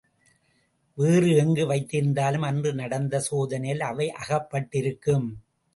வேறு எங்கு வைத்திருந்தாலும் அன்று நடந்த சோதனையில் அவை அகப்பட்டிருக்கும்.